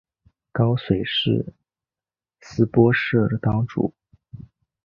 高水寺斯波氏当主。